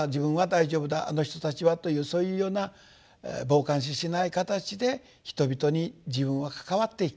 あの人たちは」というそういうような傍観視しない形で人々に自分は関わっていく。